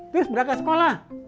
terus berangkat sekolah